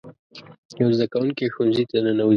یو زده کوونکی ښوونځي ته ننوځي.